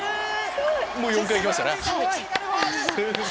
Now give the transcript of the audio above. もう４回行きましたねすごい。